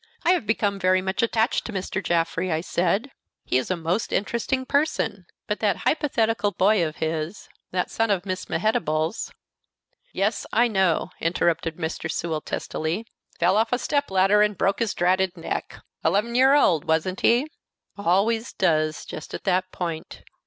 "I have become very much attached to Mr. Jaffrey," I said; "he is a most interesting person; but that hypothetical boy of his, that son of Miss Mehetabel's " "Yes, I know!" interrupted Mr. Sewell, testily. "Fell off a step ladder and broke his dratted neck. Eleven year old, wasn't he? Always does, jest at that point.